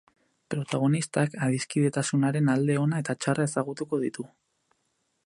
Protagonistak adiskidetasunaren alde ona eta txarra ezagutuko ditu.